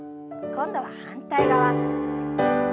今度は反対側。